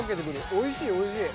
おいしいおいしい。